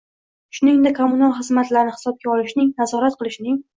shuningdek kommunal xizmatlarni hisobga olishning, nazorat qilishning